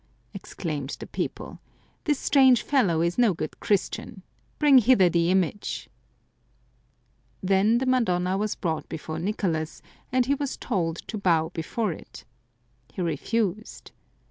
" exclaimed the people ;" this strange fellow is no good Christian. Bring hither the image." Then the Madonna was brought before Nicolas, and he was told to bow before it. He refused.